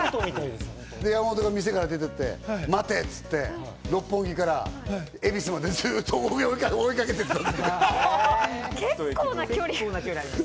で、山本が店から出て行って、待てって言って、六本木から恵比寿まで、ずっと俺が追いかけてった。